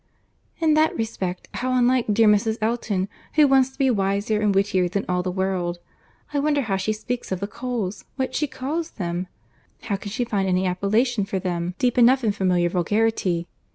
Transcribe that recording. "In that respect how unlike dear Mrs. Elton, who wants to be wiser and wittier than all the world! I wonder how she speaks of the Coles—what she calls them! How can she find any appellation for them, deep enough in familiar vulgarity?